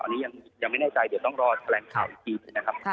อันนี้ยังไม่แน่ใจเดี๋ยวต้องรอแถลงข่าวอีกทีหนึ่งนะครับ